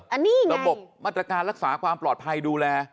อันนี้ไงระบบมาตรการรักษาความปลอดภัยดูแล